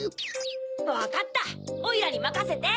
わかったおいらにまかせて！